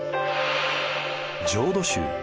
浄土宗。